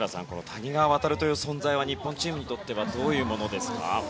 谷川航という存在は日本チームにとってはどういうものですか？